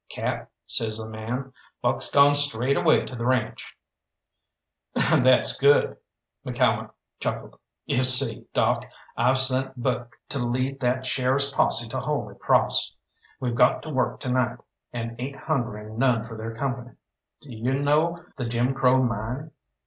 "Cap," says the man, "Buck's gawn straight away to the ranche." "That's good," McCalmont chuckled; "you see, Doc, I've sent Buck to lead that sheriff's posse to Holy Crawss. We've got to work to night, and ain't hungering none for their company. D'you know the Jim Crow Mine?"